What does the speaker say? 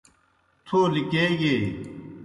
تھو لِکیگیئی۔